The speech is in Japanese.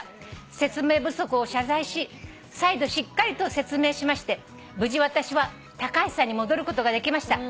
「説明不足を謝罪し再度しっかりと説明しまして無事私は『タカハシさん』に戻ることができました」